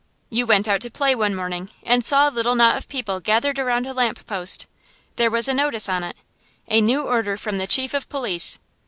You went out to play one morning, and saw a little knot of people gathered around a lamp post. There was a notice on it a new order from the chief of police.